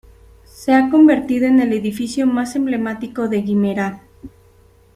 Se ha convertido en el edificio más emblemático de Guimerá.